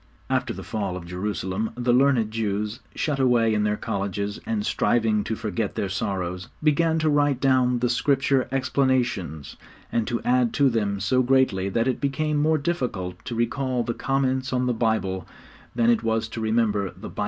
After the fall of Jerusalem the learned Jews, shut away in their colleges and striving to forget their sorrows, began to write down the Scripture explanations, and to add to them so greatly that it became more difficult to recall the comments on the Bible than it was to remember the Bible itself.